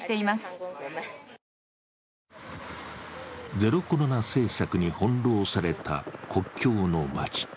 ゼロコロナ政策に翻弄された国境の街。